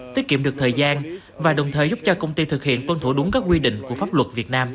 tiết kiệm được thời gian và đồng thời giúp cho công ty thực hiện tuân thủ đúng các quy định của pháp luật việt nam